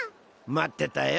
待ってたよ。